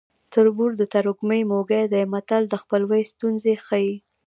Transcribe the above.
تربور د ترږمې موږی دی متل د خپلوۍ ستونزې ښيي